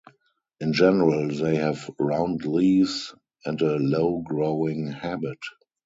In general they have round leaves and a low-growing habit.